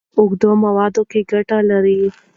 خو په اوږده موده کې ګټه لري.